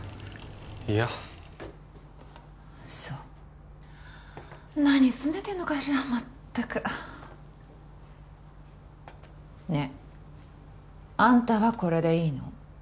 いやそう何すねてんのかしらまったくねえあんたはこれでいいの？